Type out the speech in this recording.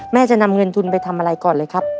จะนำเงินทุนไปทำอะไรก่อนเลยครับ